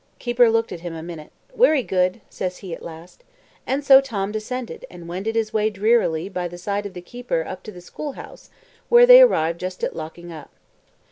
Keeper looked at him a minute: "Werry good," said he at last. And so Tom descended, and wended his way drearily by the side of the keeper up to the School house, where they arrived just at locking up.